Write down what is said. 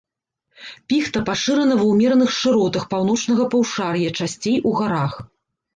Піхта пашырана ва ўмераных шыротах паўночнага паўшар'я, часцей у гарах.